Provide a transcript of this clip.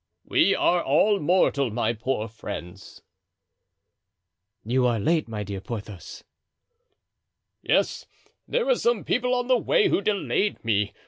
"We are all mortal, my poor friends." "You are late, my dear Porthos." "Yes, there were some people on the way who delayed me.